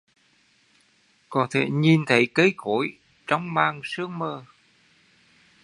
Có thể nhìn thấy cây cối trong màn sương mờ